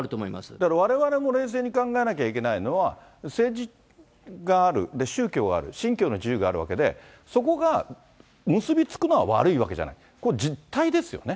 だからわれわれも冷静に考えなきゃいけないのは、政治がある、宗教がある、信教の自由があるわけで、そこが結び付くのは悪いわけじゃない、これ、実態ですよね。